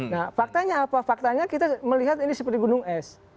nah faktanya apa faktanya kita melihat ini seperti gunung es